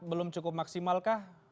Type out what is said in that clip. belum cukup maksimalkah